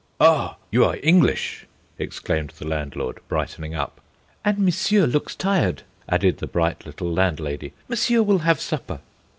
"Ah, you are English!" exclaimed the landlord, brightening up. "And Monsieur looks tired," added the bright little landlady. "Monsieur will have supper."